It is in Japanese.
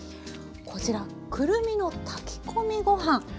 こちら「くるみの炊き込みご飯」。